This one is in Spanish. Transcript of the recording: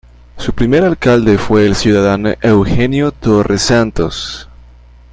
Su primer Alcalde fue el ciudadano Eugenio Torres Santos.